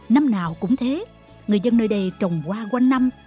năm nào cũng thế người dân nơi đây trồng hoa qua năm